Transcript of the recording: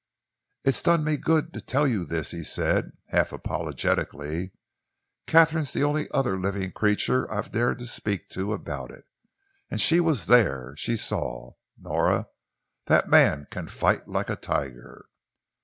"It's done me good to tell you this," he said, half apologetically. "Katharine's the only other living creature I've dared to speak to about it, and she was there she saw! Nora, that man can fight like a tiger!"